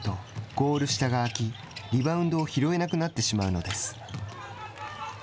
ゴール下が空きリバウンドを拾えなくなってしまうのです。